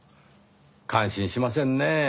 感心しませんねぇ。